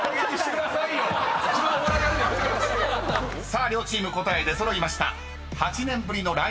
［さあ両チーム答え出揃いました］